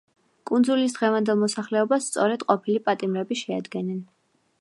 კუნძულის დღევანდელ მოსახლეობას სწორედ ყოფილი პატიმრები შეადგენენ.